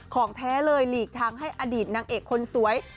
ของแท้เลยหลีกทางให้อดีตนางเอกคนสวย